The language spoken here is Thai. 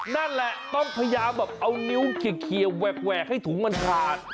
นั่นแหละต้องพยายามแบบเอานิ้วเขียวแหวกให้ถุงมันขาด